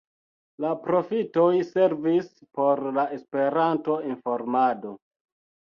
La profitoj servis por la Esperanto-informado.